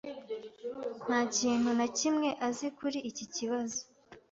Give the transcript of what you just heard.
Nta kintu na kimwe azi kuri iki kibazo.